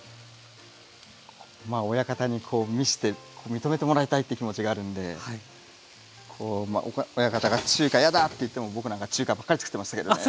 親方に見して認めてもらいたいっていう気持ちがあるんで親方が中華嫌だって言っても僕なんか中華ばっかりつくってましたけどね。